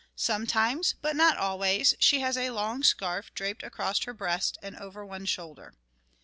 Sometimes, but not always, she has a long scarf draped across her breast and over one shoulder.